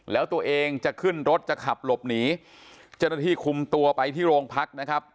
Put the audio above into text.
แล้วตัวเองจะขึ้นรถจะขับหลบหนีเจ้าหน้าที่คุมตัวไปที่โรงพักนะครับ